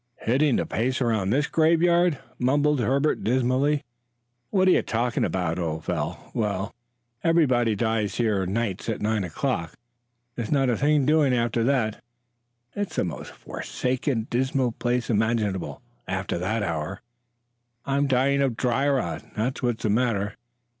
"Hitting the pace around this graveyard!" mumbled Herbert dismally. "What are you talking about, old fel? Why, everybody dies here nights at nine o'clock; there's not a thing doing after that. It's the most forsaken, dismal place imaginable after that hour. I'm dying of dry rot, that's what's the matter."